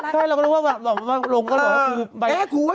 ใช่เราก็รู้ว่าลงเข้าแล้วแล้วครูแกะครู